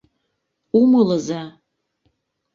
Умылыза.